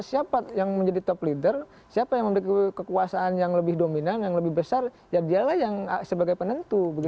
siapa yang menjadi top leader siapa yang memiliki kekuasaan yang lebih dominan yang lebih besar ya dialah yang sebagai penentu